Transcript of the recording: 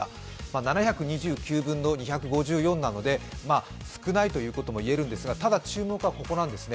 ７２９分の２５４なので少ないということも言えるんですが、ただ、注目はここなんですね。